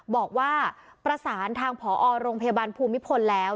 บอกว่าประสานทางผอโรงพยาบาลภูมิพลแล้ว